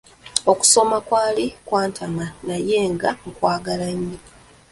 Okusoma kwali kwantama naye kati nkwagala nnyo.